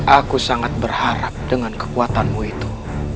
aku sangat berharap dengan kekuatanmu itu